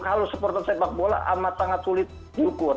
kalau supporter sepakbola amat sangat sulit diukur